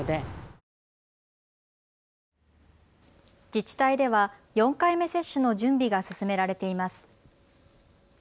自治体では４回目接種の準備が進められています。